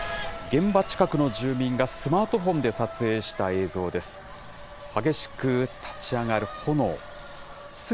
現場近くの住民がスマートフォンで撮影した映像です。